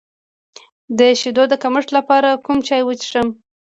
د شیدو د کمښت لپاره کوم چای وڅښم؟